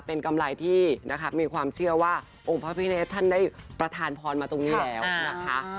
เป็นกำไรที่นะคะมีความเชื่อว่าองค์พระพิเนธท่านได้ประธานพรมาตรงนี้แล้วนะคะ